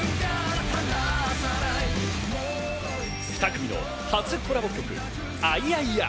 ２組の初コラボ曲『愛彌々』。